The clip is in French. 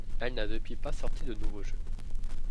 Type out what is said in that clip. Elle n'a depuis pas sorti de nouveau jeu.